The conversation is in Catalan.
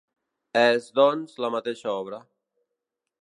És, doncs, la mateixa obra.